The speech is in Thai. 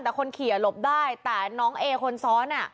แต่คนขี่หลบได้แต่น้องเอคนซ้อน